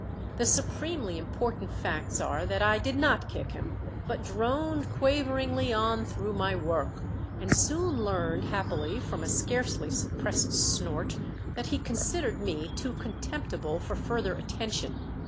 The supremely important facts are that I did not kick him, but droned quaveringly on through my work, and soon learned happily from a scarcely suppressed snort that he considered me too contemptible for further attention.